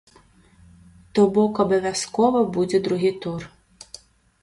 То бок абавязкова будзе другі тур.